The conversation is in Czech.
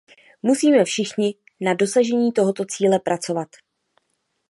Musíme všichni na dosažení tohoto cíle pracovat.